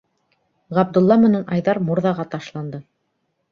Ғабдулла менән Айҙар мурҙаға ташланды.